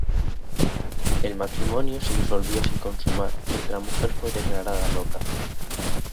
El matrimonio se disolvió sin consumar porque la mujer fue declarada loca.